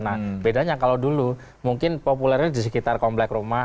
nah bedanya kalau dulu mungkin populernya di sekitar komplek rumah